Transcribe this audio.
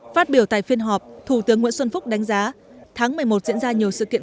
phát biểu tại phiên họp thủ tướng nguyễn xuân phúc đánh giá tháng một mươi một diễn ra nhiều sự kiện